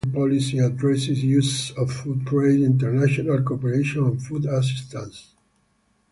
Furthermore, global food policy addresses issues of food trade, international cooperation, and food assistance.